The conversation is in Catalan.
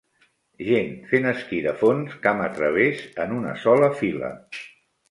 Gent fent esquí de fons camp a través, en una sola fila.